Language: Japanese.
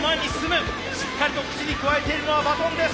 しっかりと口にくわえているのはバトンです。